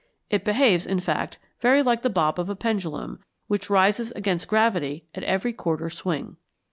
It behaves, in fact, very like the bob of a pendulum, which rises against gravity at every quarter swing.